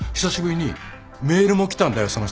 久しぶりにメールも来たんだよ